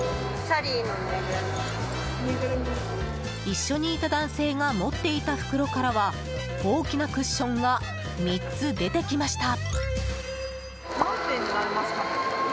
一緒にいた男性が持っていた袋からは大きなクッションが３つ出てきました。